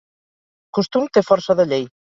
Costum té força de llei.